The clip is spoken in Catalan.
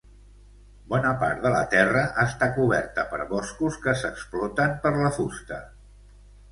Bona part de la terra està coberta per boscos que s'exploten per la fusta.